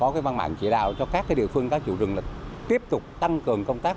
có văn mạng chỉ đạo cho các địa phương tái chủ rừng lịch tiếp tục tăng cường công tác